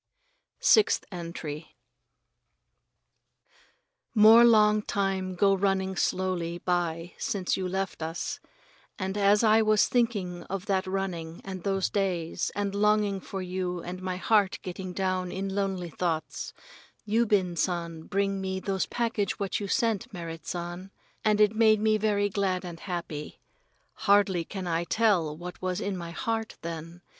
Sixth Entry More long time go running slowly by since you have left us, and as I was thinking of that running and those days and longing for you and my heart getting down in lonely thoughts, Yubin San bring me those package what you sent, Merrit San, and it made me very glad and happy. Hardly can I tell what was in my heart then.